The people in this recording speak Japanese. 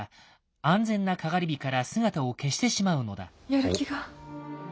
やる気が。